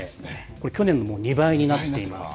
これ、去年の２倍になっています。